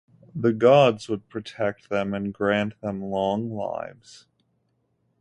The gods would protect them and grant them long lives.